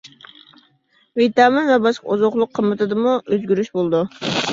ۋىتامىن ۋە باشقا ئوزۇقلۇق قىممىتىدىمۇ ئۆزگىرىش بولىدۇ.